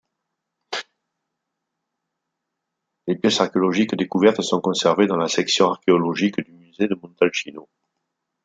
Les pièces archéologiques découvertes sont conservées dans la section archéologique du musée de Montalcino.